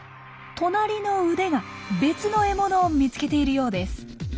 隣の腕が別の獲物を見つけているようです。